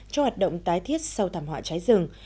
cho hoạt động tái thiết sau thảm họa cháy rừng